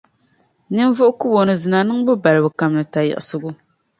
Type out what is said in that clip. ninvuɣukubo ni zina niŋbu balibu kam ni tayiɣisigu.